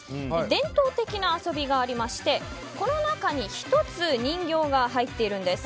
伝統的な遊びがありましてこの中に１つ人形が入っているんです。